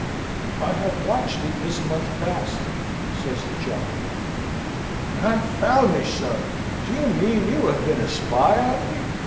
"I have watched it this month past," says the chaplain. "Confound me, sir, do you mean you have been a spy on me?"